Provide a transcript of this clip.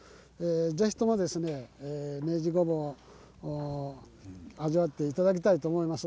ぜひとも、明治ごんぼう味わっていただきたいと思います。